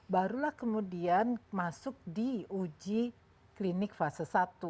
barulah kemudian masuk di uji klinik fase satu